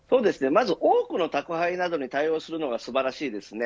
まず多くの宅配などに対応するのは素晴らしいですね。